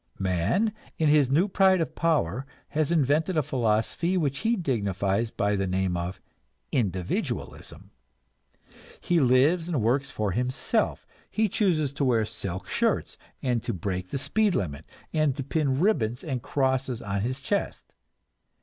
Man, in his new pride of power, has invented a philosophy which he dignifies by the name of "individualism." He lives and works for himself; he chooses to wear silk shirts, and to break the speed limit, and to pin ribbons and crosses on his chest.